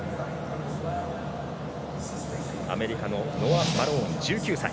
アメリカのノア・マローン１９歳。